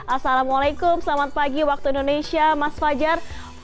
assalamualaikum selamat pagi waktu indonesia mas fajar